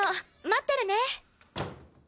待ってるね。